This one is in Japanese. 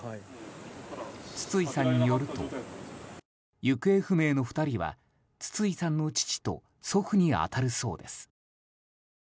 筒井さんによると行方不明の２人は筒井さんの父と祖父に当たるそうです。